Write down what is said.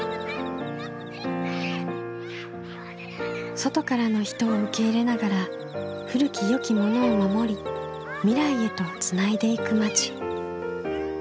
外からの人を受け入れながら古きよきものを守り未来へとつないでいく町。